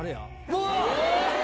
うわ！